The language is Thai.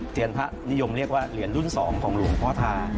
พระนิยมเรียกว่าเหรียญรุ่น๒ของหลวงพ่อทา